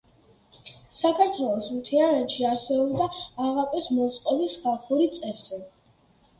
საქართველოს მთიანეთში არსებობდა აღაპის მოწყობის ხალხური წესი.